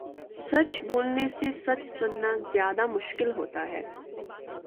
سچ بولنے سے سچ سنا زیادہ مشکل ہوتا ہے